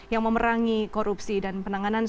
yang memerangi korupsi dan penanganan